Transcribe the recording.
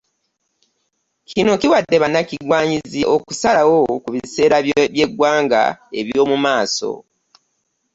Kino kiwadde bannakigwanyizi okusalawo ku biseera by'eggwanga eby'omu maaso.